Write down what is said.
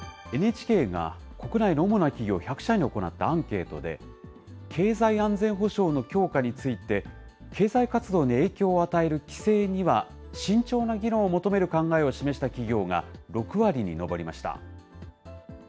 ＮＨＫが国内の主な企業１００社に行ったアンケートで、経済安全保障の強化について、経済活動に影響を与える規制には、慎重な議論を求める考えを示した企業が６割に上りました。